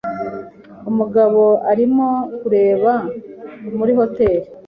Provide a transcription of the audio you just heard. Umugabo arimo kureba muri hoteri.